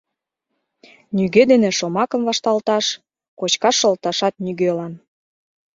Нигӧ дене шомакым вашталташ, кочкаш шолташат нигӧлан.